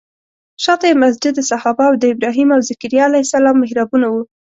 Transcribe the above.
شاته یې مسجد صحابه او د ابراهیم او ذکریا علیه السلام محرابونه وو.